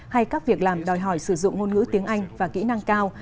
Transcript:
hay các việc làm đòi hỏi sử dụng ngôn ngữ tiếng anh và kỹ năng cao